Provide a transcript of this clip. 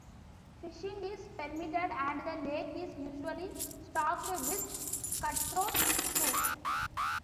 Fishing is permitted and the lake is usually stocked with cutthroat trout.